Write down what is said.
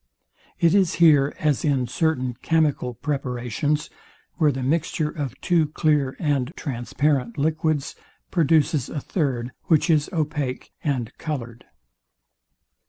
It is here, as in certain chymical preparations, where the mixture of two clear and transparent liquids produces a third, which is opaque and coloured..